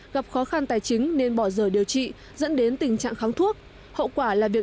gặp khó khăn tài chính nên bỏ rời điều trị dẫn đến tình trạng kháng thuốc hậu quả là việc